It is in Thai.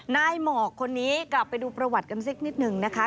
หมอกคนนี้กลับไปดูประวัติกันสักนิดหนึ่งนะคะ